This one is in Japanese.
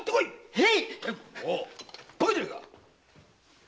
へい！